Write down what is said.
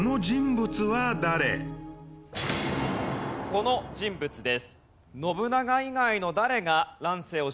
この人物です。